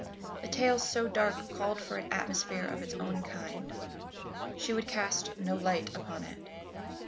A tale so dark called for an atmosphere of its own kind. She would cast no light upon it.